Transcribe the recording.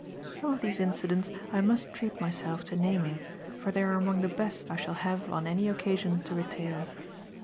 Some of these incidents I must treat myself to naming, for they are among the best I shall have on any occasion to retail.